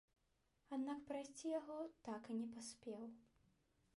Аднак прайсці яго так і не паспеў.